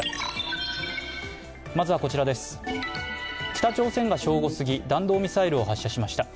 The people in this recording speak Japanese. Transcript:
北朝鮮が正午すぎ、弾道ミサイルを発射しました。